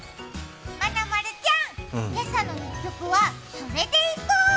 まなまるちゃん、「けさの１曲」はそれでいこう。